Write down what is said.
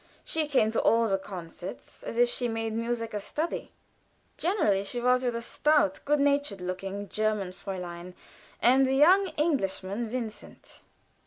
She came to all the concerts, as if she made music a study generally she was with a stout, good natured looking German Fräulein, and the young Englishman, Vincent.